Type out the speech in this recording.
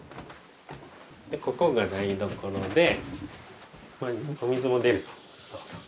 でここが台所でお水も出るよ。